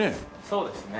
そうですね。